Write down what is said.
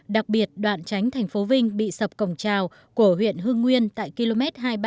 đặc biệt đoạn tránh thành phố vinh bị sập cổng trào của huyện hương nguyên tại km hai mươi ba sáu trăm năm mươi